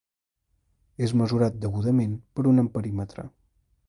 És mesurat degudament per un amperímetre.